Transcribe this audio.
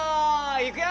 いくよ！